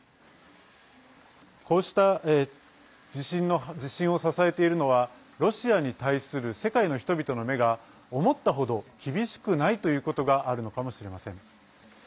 こうした自信を支えているのはロシアに対する世界の人々の目が思ったほど厳しくないということがあるのかもしれません。